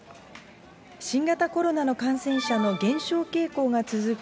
新型コロナの感染者の減少傾向が続く